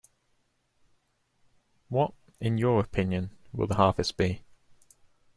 What, in your opinion, will the harvest be?